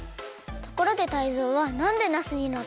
ところでタイゾウはなんでナスになったの？